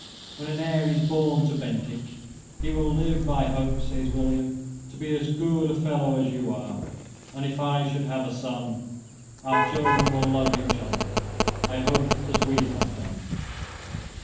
When an heir is born to Bentinck, "he will live, I hope," says William, "to be as good a fellow as you are; and, if I should have a son, our children will love each other, I hope, as we have done."